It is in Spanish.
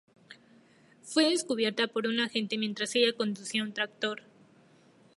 Fue descubierta por un agente mientras ella conducía un tractor.